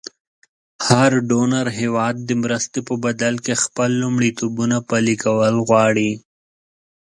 هر ډونر هېواد د مرستې په بدل کې خپل لومړیتوبونه پلې کول غواړي.